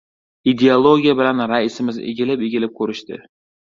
Ideologiya bilan raisimiz egilib-egilib ko‘rishdi.